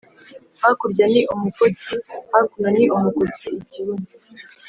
Hakurya ni umukoki, hakuno ni umukoki :iKibuno